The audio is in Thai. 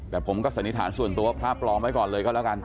แต่ผมก็สันนิษฐานส่วนตัวพระปลอมไว้ก่อนเลยก็แล้วกัน